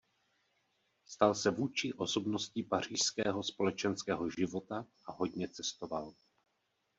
Stal se vůdčí osobností pařížského společenského života a hodně cestoval.